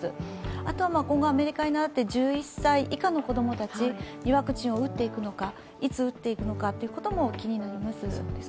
あとは今後、アメリカにならって１１歳以下の子供たちにワクチンを打っていくのかいつ打っていくのかということも気になります。